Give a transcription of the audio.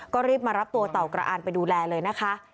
ก็รีบมารับตัวเต่ากระอ่านไปดูแลเลยนะคะ